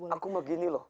aku mah gini loh